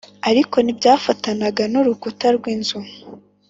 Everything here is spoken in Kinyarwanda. ariko ntibyafatanaga n urukuta rw inzu